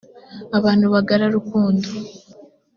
abantu bagararukundo.